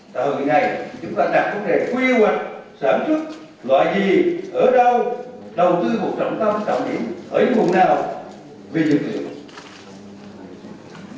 từ hồi này chúng ta đặt vấn đề quy hoạch sản xuất loại gì ở đâu đầu tư vụ trọng tâm trọng điểm ở những vùng nào về dược liệu